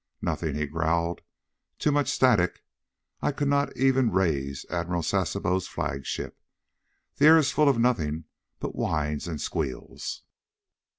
"Nothing!" he growled. "Too much static. I could not even raise Admiral Sasebo's flagship. The air is full of nothing but whines and squeals."